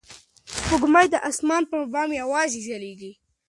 سپوږمۍ د اسمان پر بام یوازې ځلېږي.